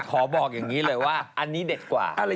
บอกอย่างนี้เลยว่าอันนี้เด็ดกว่า